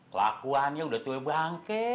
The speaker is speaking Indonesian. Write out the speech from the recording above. kelakuannya udah troublesome